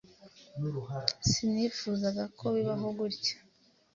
Sinifuzaga ko bibaho gutya.